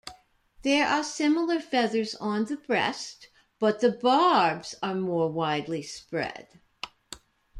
There are similar feathers on the breast, but the barbs are more widely spread.